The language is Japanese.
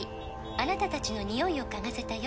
「あなた達のニオイを嗅がせたよ」